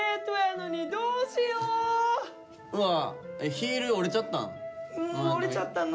うわヒール折れちゃったん？